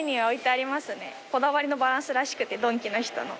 こだわりのバランスらしくてドンキの人の。